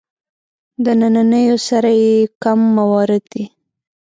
د نننیو سره یې کم موارد دي.